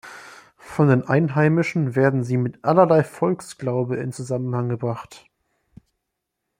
Von den Einheimischen werden sie mit allerlei Volksglaube in Zusammenhang gebracht.